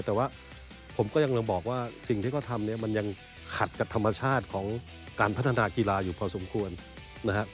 แต่ว่าผมก็ยังบอกว่าสิ่งที่เขาทำเนี่ยมันยังขัดกับธรรมชาติของการพัฒนากีฬาอยู่พอสมควรนะครับ